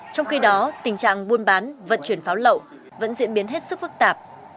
trong khi đó tình trạng buôn bán vận chuyển pháo lậu vẫn diễn biến hết sức phức tạp